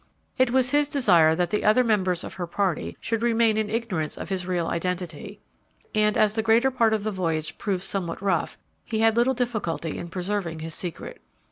It was his desire that the other members of her party should still remain in ignorance of his real identity; and, as the greater part of the voyage proved somewhat rough, he had little difficulty in preserving his secret.